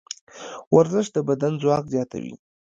ورزش د بدن ځواک زیاتوي.